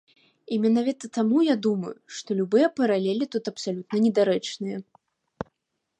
І менавіта таму я думаю, што любыя паралелі тут абсалютна недарэчныя.